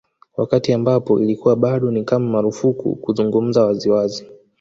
Wakati ambapo ilikuwa bado ni kama marufuku kuzungumza wazi wazi